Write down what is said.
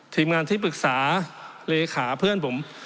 ทีมงานที่ปรึกษาเลขาเพื่อนผม